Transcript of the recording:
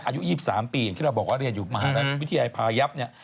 อายุ๒๓ปีอย่างที่เราบอกว่าเรียนอยู่มหาวิทยาลัยพายับเนี่ย